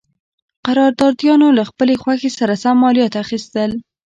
قراردادیانو له خپلې خوښې سره سم مالیات اخیستل.